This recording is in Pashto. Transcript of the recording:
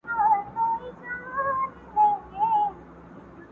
زوی ته په زانګو کي د فرنګ خبري نه کوو٫